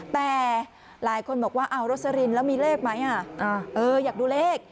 แต่หลายคนบอกว่าเอารสลินแล้วมีเลขไหมอยากดูเลข